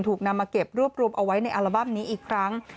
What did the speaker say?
ถูกนำมาเก็บรวบรวมเอาไว้ในอัลบั้มนี้อีกครั้ง